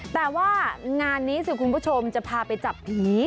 แต่ว่างานนี้สิคุณผู้ชมจะพาไปจับผี